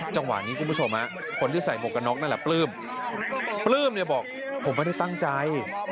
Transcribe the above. จังหวะนี้คุณผู้ชมคนที่ใส่หมวกกันน็อกนั่นแหละปลื้มปลื้มเนี่ยบอกผมไม่ได้ตั้งใจ